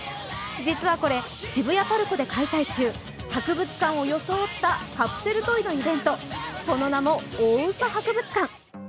実はこれ、渋谷パルコで開催中、博物館を装ったカプセルトイのイベント、その名も大嘘博物館。